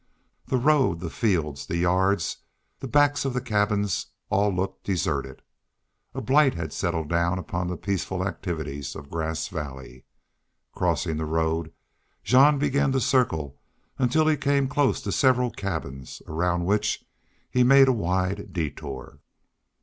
The road, the fields, the yards, the backs of the cabins all looked deserted. A blight had settled down upon the peaceful activities of Grass Valley. Crossing the road, Jean began to circle until he came close to several cabins, around which he made a wide detour.